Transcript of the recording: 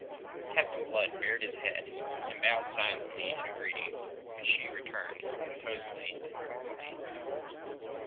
Captain Blood bared his head and bowed silently in a greeting which she returned composedly and formally.